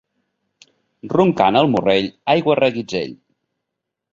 Roncant el Morrell, aigua a reguitzell.